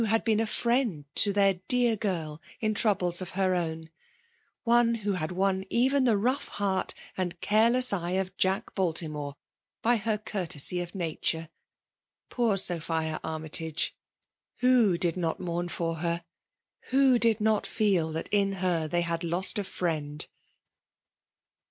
had been a friend to their dear girl in troubles of her own ; ojte. who had won even the rough heart and care* less eye of Jack Baltimore, by her courtesy of nature. Poor Sophia Armytage — who did not mourn for her? — Who did not feel that in her they had lost a friend